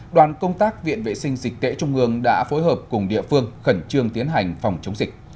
đoàn công tác viện vệ sinh dịch tễ trung ương đã phối hợp cùng địa phương khẩn trương tiến hành phòng chống dịch